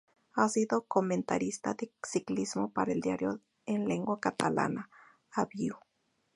Ha sido comentarista de ciclismo para el diario en lengua catalana "Avui".